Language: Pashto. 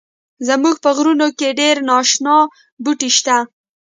زمونږ په غرونو کښی ډیر ناشنا بوټی شته